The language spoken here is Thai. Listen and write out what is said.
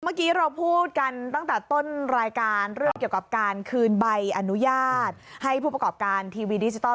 เมื่อกี้เราพูดกันตั้งแต่ต้นรายการเรื่องเกี่ยวกับการคืนใบอนุญาตให้ผู้ประกอบการทีวีดิจิทัล